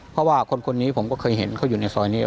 เพราะว่าคนนี้ผมก็เคยเห็นเขาอยู่ในซอยนี้